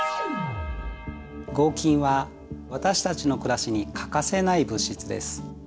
合金は私たちの暮らしに欠かせない物質です。